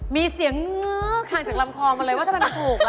มีเสียงเอื้อออห่างจากรำคอมมาเลยว่าทำไมมันถูกละ